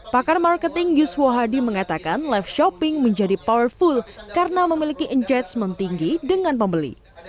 pakar marketing yuswo hadi mengatakan live shopping menjadi powerful karena memiliki engagement tinggi dengan pembeli